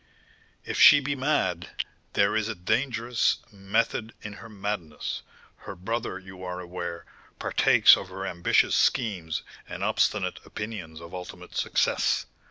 "If she be mad, there is a dangerous 'method in her madness;' her brother, you are aware, partakes of her ambitious schemes and obstinate opinions of ultimate success.